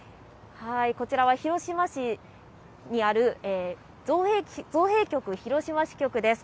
こちらは広島市にある造幣局広島支局です。